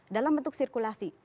dalam bentuk sirkulasi